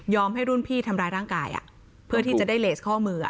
ให้รุ่นพี่ทำร้ายร่างกายเพื่อที่จะได้เลสข้อมือ